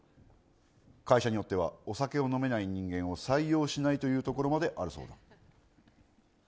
会社によってはお酒を飲めない人間を採用しないというところまであるそうだ。